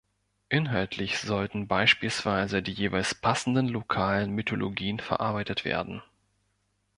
Inhaltlich sollten beispielsweise die jeweils passenden lokalen Mythologien verarbeitet werden.